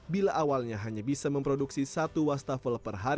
bila awalnya hanya bisa memproduksi satu wastafel